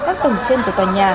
các tầng trên của tòa nhà